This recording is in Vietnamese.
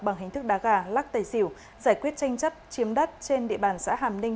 bằng hình thức đá gà lắc tài xỉu giải quyết tranh chấp chiếm đất trên địa bàn xã hàm ninh